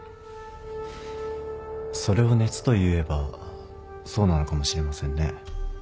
それを熱といえばそうなのかもしれませんね。